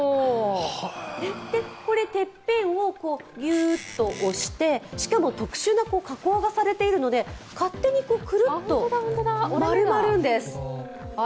てっぺんをギューッと押して、しかも特殊な加工がされているので勝手にクルッと丸まるんです。